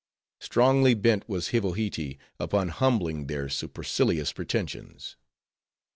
Strongly bent was Hivohitee upon humbling their supercilious pretensions.